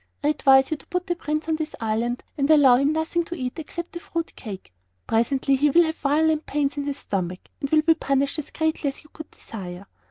I advise you to put the Prince on this island and allow him nothing to eat except the fruit cake. Presently he will have violent pains in his stomach and will be punished as greatly as you could desire."